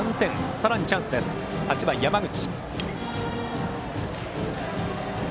さらにチャンスで８番の山口。